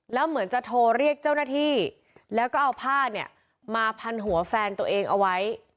แล้วเหมือนจะโทรเรียกเจ้าหน้าที่แล้วก็เอาผ้าเนี่ยมาพันหัวแฟนตัวเองเอาไว้